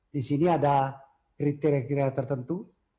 di sini ada kriteria kriteria tertentu